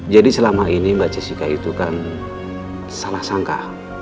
jadi selama ini mbak jessica itu kan salah sangka